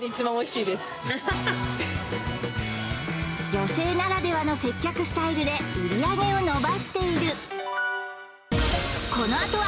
女性ならではの接客スタイルで売り上げを伸ばしている